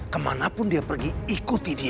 kemanapun dia pergi ikuti dia